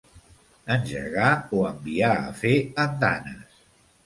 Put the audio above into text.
Engegar o enviar a fer andanes.